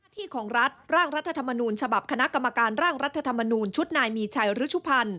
ที่ของรัฐร่างรัฐธรรมนูญฉบับคณะกรรมการร่างรัฐธรรมนูญชุดนายมีชัยฤชุพันธ์